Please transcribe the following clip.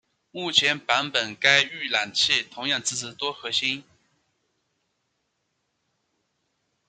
目前版本该预览器同样支持多核心。